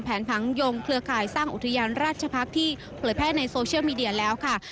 แผนผังยงเครือข่ายสร้างอุทยานราชภาพที่เปลี่ยนไว้ใน